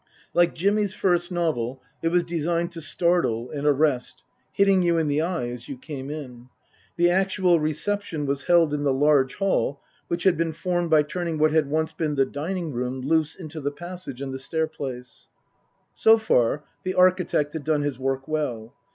Like Jimmy's first novel, it was designed to startle and arrest, hitting you in the eye as you came in. The actual reception was held in the large hall, which had been formed by turning what had once been the dining room loose into the passage and the stair place. So far the architect had done his work well.